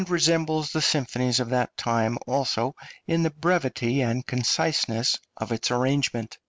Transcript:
} (304) resembles the symphonies of that time also in the brevity and preciseness of its arrangement.